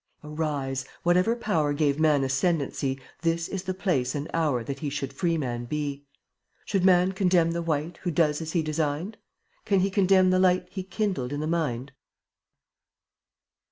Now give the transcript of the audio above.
27 Arise ! Whatever power Gave man ascendency, This is the place and hour That he should freeman be. Should man condemn the wight Who does as he designed? Can He condemn the light He kindled in the mind?